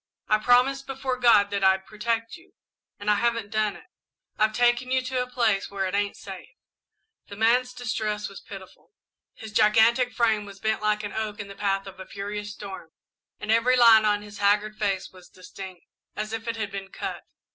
I promised before God that I'd protect you, and I haven't done it. I've taken you to a place where it ain't safe." The man's distress was pitiful. His gigantic frame was bent like an oak in the path of a furious storm and every line on his haggard face was distinct, as if it had been cut.